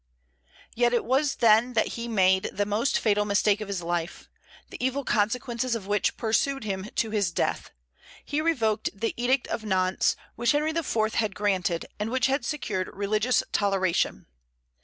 Yet it was then that he made the most fatal mistake of his life, the evil consequences of which pursued him to his death. He revoked the Edict of Nantes, which Henry IV. had granted, and which had secured religious toleration.